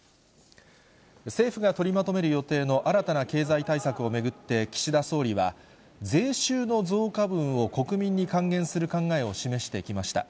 政府が取りまとめる予定の新たな経済対策を巡って、岸田総理は、税収の増加分を国民に還元する考えを示してきました。